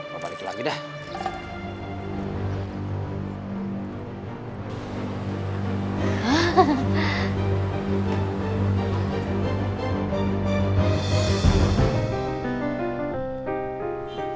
sampai jumpa di video selanjutnya